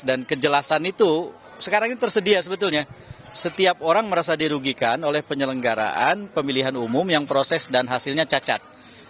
dan kejelasan itu sekarang ini tersedia sebetulnya setiap orang merasa dirugikan oleh penyelenggaraan pemilihan umum yang proses dan hasilnya cacat